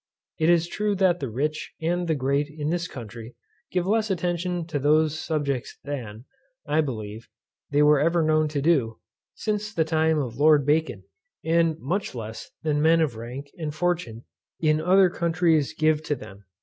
It is true that the rich and the great in this country give less attention to these subjects than, I believe, they were ever known to do, since the time of Lord Bacon, and much less than men of rank and fortune in other countries give to them.